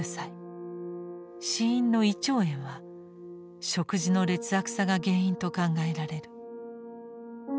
死因の「胃腸炎」は食事の劣悪さが原因と考えられる。